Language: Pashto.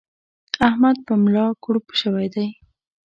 احمد پر ملا کړوپ شوی دی.